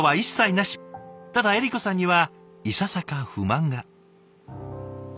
ただ恵利子さんにはいささか不満が。